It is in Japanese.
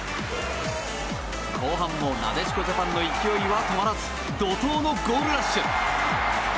後半もなでしこジャパンの勢いは止まらず怒涛のゴールラッシュ。